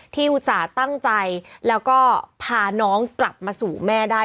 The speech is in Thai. อุตส่าห์ตั้งใจแล้วก็พาน้องกลับมาสู่แม่ได้